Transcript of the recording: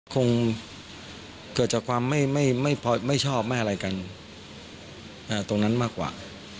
คงเกิดจากความไม่ชอบไม่อะไรกันตรงนั้นมากกว่า